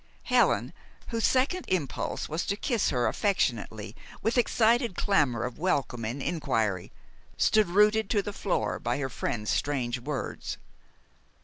Helen, whose second impulse was to kiss her affectionately, with excited clamor of welcome and inquiry, stood rooted to the floor by her friend's strange words.